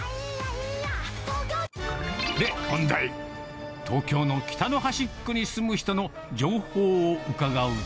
で、本題、東京の北の端っこに住む人の情報を伺うと。